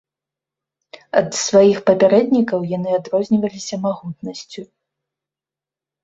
Ад сваіх папярэднікаў яны адрозніваліся магутнасцю.